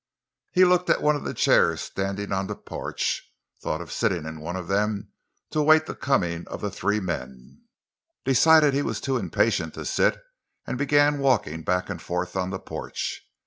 He looked at one of the chairs standing on the porch, thought of sitting in one of them to await the coming of the three men, decided he was too impatient to sit, and began walking back and forth on the porch.